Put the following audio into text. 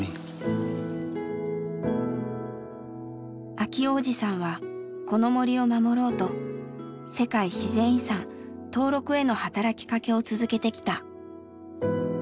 明男おじさんはこの森を守ろうと世界自然遺産登録への働きかけを続けてきた。